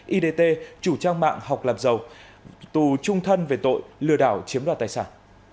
idt chủ trang mạng học làm giàu tù trung thân về tội lừa đảo chiếm đoạt tài sản